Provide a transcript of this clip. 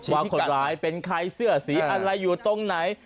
ว่าคนร้ายเป็นใครเสื้อสีอะไรอยู่ตรงไหน